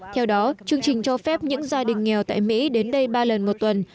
theo đó chương trình cho phép những gia đình nghèo tại mỹ đến đây ba lần một tuần